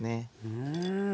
うん。